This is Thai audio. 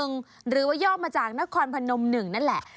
หรือว่าย่อมาจากนครพนม๑นั่นแหละ